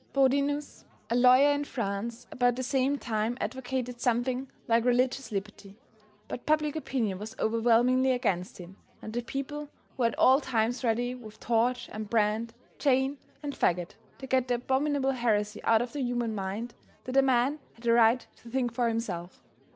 Bodi nus, a lawyer in France, about the same time advocated something like religious liberty, but public opinion was overwhelmingly against him and the people were at all times ready with torch and brand, chain, and fagot to get the abominable heresy out of the human mind, that a man had a right to think for himself.